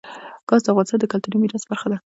ګاز د افغانستان د کلتوري میراث برخه ده.